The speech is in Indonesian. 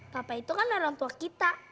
papa itu kan orang tua kita